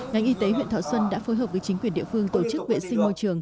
ngành y tế huyện thọ xuân đã phối hợp với chính quyền địa phương tổ chức vệ sinh môi trường